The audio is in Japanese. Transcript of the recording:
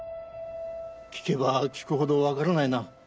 聞けば聞くほど分からないな。